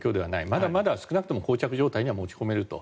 まだまだ少なくともこう着状態には持ち込めると。